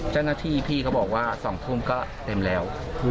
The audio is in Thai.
เจ้าหน้าที่พี่เขาบอกว่า๒ทุ่มก็เต็มแล้ว